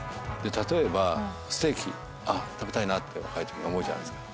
例えばステーキ食べたいなって若いときに思うじゃないですか。